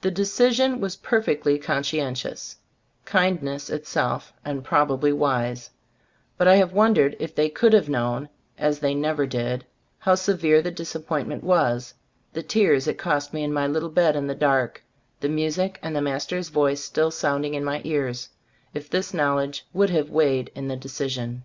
The decision was Gbe Storg of Ab Cbitoboob 67 perfectly conscientious, kindness it self, and probably wise; but I have wondered if they could have known (as they never did) how severe the disappointment was, the tears it cost me in my little bed in the dark, the music and the master's voice still sounding in my ears, if this knowl edge would have weighed in the de cision.